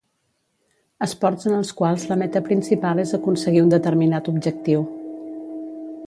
Esports en els quals la meta principal és aconseguir un determinat objectiu.